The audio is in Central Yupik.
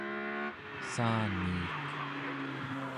saaniik